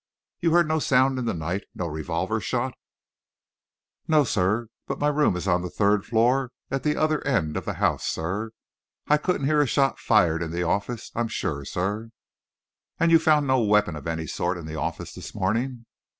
"You heard no sound in the night no revolver shot?" "No, sir. But my room is on the third floor, and at the other end of the house, sir. I couldn't hear a shot fired in the office, I'm sure, sir." "And you found no weapon of any sort in the office this morning?"